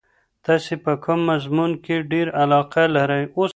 تاسې په کوم مضمون کې ډېره علاقه لرئ؟